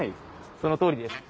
そのとおりです。